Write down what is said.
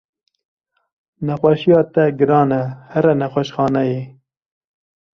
Nexweşiya te giran e here nexweşxaneyê.